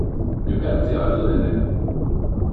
Wir werden Sie also ernennen.